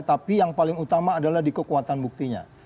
tapi yang paling utama adalah di kekuatan buktinya